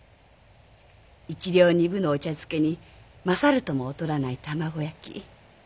１両２分のお茶漬けに勝るとも劣らない卵焼き。